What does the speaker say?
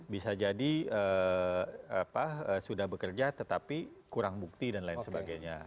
bisa jadi sudah bekerja tetapi kurang bukti dan lain sebagainya